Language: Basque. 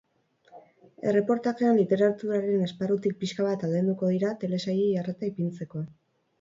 Erreportajean, literaturaren esparrutik pixka bat aldenduko dira, telesailei arreta ipintzeko.